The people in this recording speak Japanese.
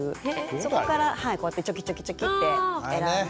そこからこうやってチョキチョキって選んで。